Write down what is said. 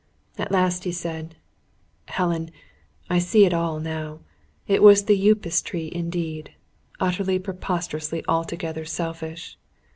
At last he said: "Helen, I see it all now. It was the Upas tree indeed: utterly, preposterously, altogether, selfish!"